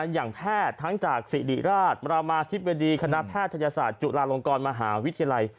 อย่างแพทย์ทั้งจากสิริราชบรามาธิบดีคณะแพทยศาสตร์จุฬาลงกรมหาวิทยาลัย